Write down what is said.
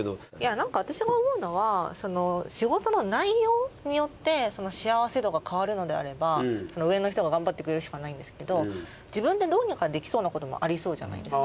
なんか私が思うのは仕事の内容によって幸せ度が変わるのであれば上の人が頑張ってくれるしかないんですけど自分でどうにかできそうなこともありそうじゃないですか。